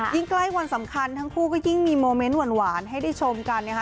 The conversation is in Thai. ใกล้วันสำคัญทั้งคู่ก็ยิ่งมีโมเมนต์หวานให้ได้ชมกันนะคะ